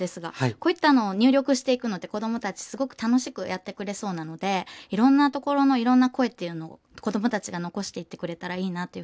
こういった入力していくのって子どもたちすごく楽しくやってくれそうなのでいろんな所のいろんな声っていうのを子どもたちが残していってくれたらいいなというふうに思いました。